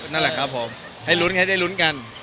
นั่นแหละครับผมให้ลุ้นให้ได้ลุ้นกัน